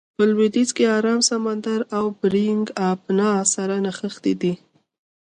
په لویدیځ کې ارام سمندر او بیرنګ آبنا سره نښتې ده.